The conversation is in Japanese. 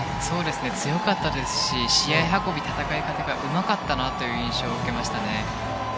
強かったですし試合運びや戦い方がうまかったなという印象を受けましたね。